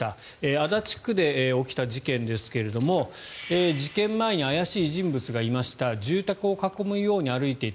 足立区で起きた事件ですが事件前に怪しい人物がいました住宅を囲むように歩いていた。